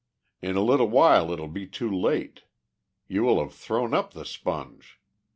In a little while it will be too late. You will have thrown up the Sponge.